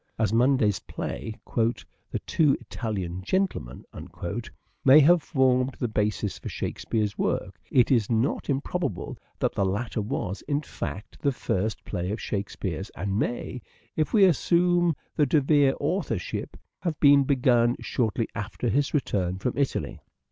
As Munday's play, " The Two Italian Gentlemen," may have formed the basis for Shakespeare's work, it is not improbable that the latter was, in fact, the first play of Shakespeare's and may, if we assume the EARLY MANHOOD OF EDWARD DE VERE 269 De Vere authorship, have been begun shortly after his return from Italy.